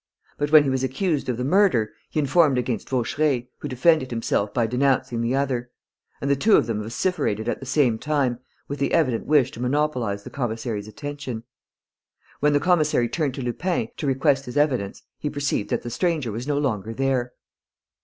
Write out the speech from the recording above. But, when he was accused of the murder, he informed against Vaucheray, who defended himself by denouncing the other; and the two of them vociferated at the same time, with the evident wish to monopolize the commissary's attention. When the commissary turned to Lupin, to request his evidence, he perceived that the stranger was no longer there.